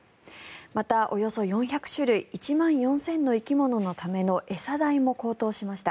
またおよそ４００種類１万４０００の生き物のための餌代も高騰しました。